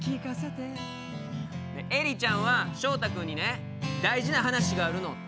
エリちゃんは翔太君にね「大事な話があるの」。